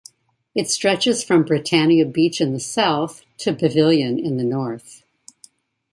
It stretches from Britannia Beach in the south to Pavilion in the north.